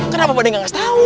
kenapa pak de gak ngasih tahu